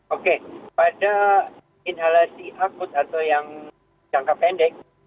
oke pada inhalasi akut atau yang jangka pendek